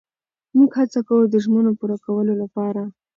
موږ هڅه کوو د ژمنو پوره کولو لپاره.